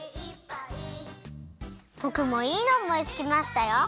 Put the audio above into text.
ぼくもいいのをおもいつきましたよ！